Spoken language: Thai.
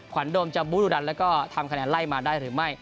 วันโดมจะบูดุดันแล้วก็ทำคะแนนไล่มาได้หรือไม่